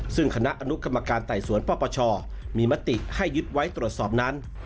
ซึ่งคณะอนุกรรมการไต่สวนปปชมีมติให้ยึดไว้ตรวจสอบนั้น